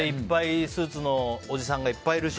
スーツのおじさんがいっぱいいるし？